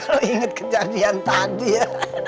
lo inget kejadian tadi ya